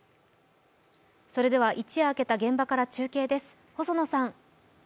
それでは一夜明けた現場から中継です。